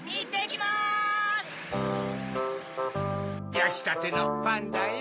やきたてのパンだよ。